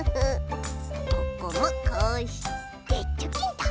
ここもこうしてチョキンと。